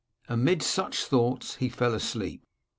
Amid sufch thoughts he fell asleep.